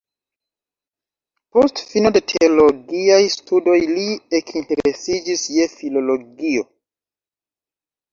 Post fino de teologiaj studoj li ekinteresiĝis je filologio.